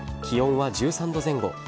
気温は１３度前後。